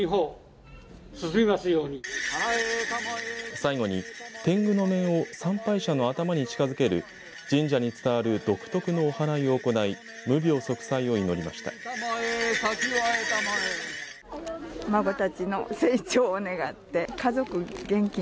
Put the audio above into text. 最後にてんぐの面を参拝者の頭に近づける神社に伝わる独特のおはらいを行い無病息災を祈りました。